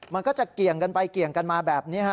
มันก็จะเกี่ยงกันไปเกี่ยงกันมาแบบนี้ฮะ